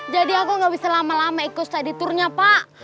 jadi aku gak bisa lama lama ikut study tournya pak